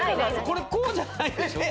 これこうじゃないでしょ？